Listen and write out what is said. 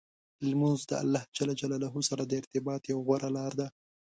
لمونځ د الله جل جلاله سره د ارتباط یوه غوره لار ده.